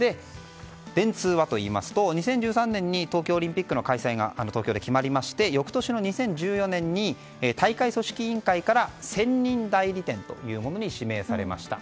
電通はといいますと２０１３年に東京オリンピックの開催が東京で決まって翌年、２０１４年に大会組織委員会から専任代理店というものに指名されました。